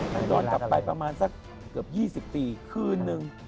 มันย้อนกลับไปประมาณสักเกือบ๒๐ปีคืนนึง